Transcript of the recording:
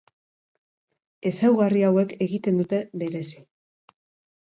Ezaugarri hauek egiten dute berezi.